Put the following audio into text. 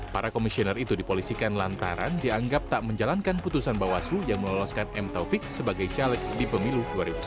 para komisioner itu dipolisikan lantaran dianggap tak menjalankan putusan bawaslu yang meloloskan m taufik sebagai caleg di pemilu dua ribu sembilan belas